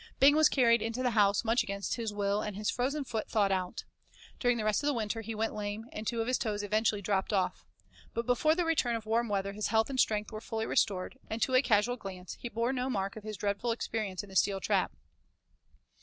Bing was carried into the house much against his will and his frozen foot thawed out. During the rest of the winter he went lame and two of his toes eventually dropped off. But before the return of warm weather his health and strength were fully restored, and to a casual glance he bore no mark of his dreadful experience in the steel trap.